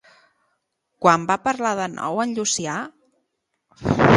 Quan va parlar de nou en Llucià?